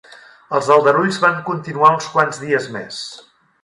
Els aldarulls van continuar uns quants dies més.